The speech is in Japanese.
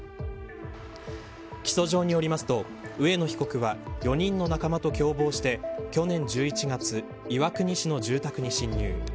起訴状によりますと、上野被告は４人の仲間と共謀して去年１１月岩国市の住宅に侵入。